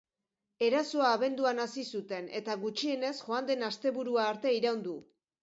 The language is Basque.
Erasoa abenduan hasi zuten, eta gutxienez joan den asteburua arte iraun du.